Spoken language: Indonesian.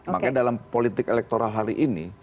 makanya dalam politik elektoral hari ini